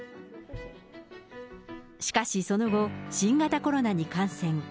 しかし、その後、新型コロナに感染。